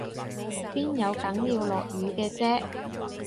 邊有梗要落雨嘅啫？